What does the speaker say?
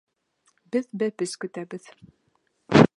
Беҙ бәпес көтәбеҙ.